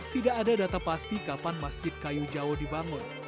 tidak ada data pasti kapan masjid kayu jawa dibangun